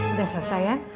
udah selesai ya